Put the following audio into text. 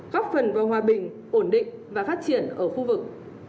góp phần vào hòa bình ổn định và phát triển ở khu vực